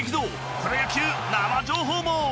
プロ野球生情報も。